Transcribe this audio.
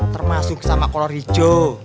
termasuk sama kolor hijau